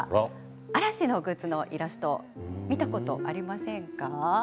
嵐のグッズのイラスト見たことありませんか？